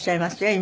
今。